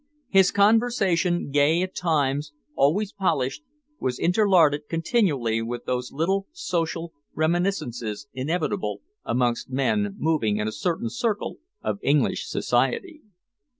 His conversation, gay at times, always polished, was interlarded continually with those little social reminiscences inevitable amongst men moving in a certain circle of English society.